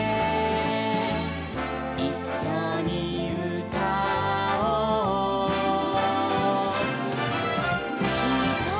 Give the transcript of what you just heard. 「いっしょにうたおう」「ひとりぼっちじゃ」